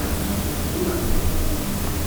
Wohlan denn!